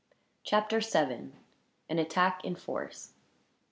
Chapter 7: An Attack in Force.